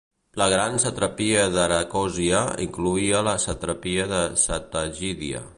La gran satrapia d'Aracòsia incloïa la satrapia de Sattagídia.